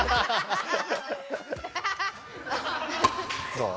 どう？